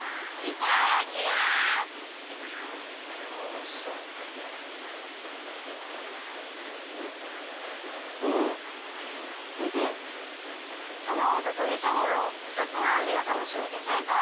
たまごととりそぼろふたつのあじがたのしめてさいこう！